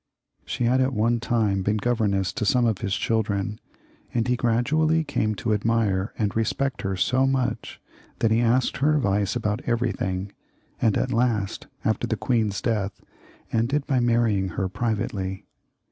She had at one time been governess to some of his children, and he gradually came to admire and respect her so much that he asked her advice about everything, and at last, after the queen's death, ended by marrying her privately.